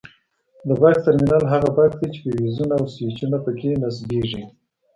د بکس ټرمینل هغه بکس دی چې فیوزونه او سویچونه پکې نصبیږي.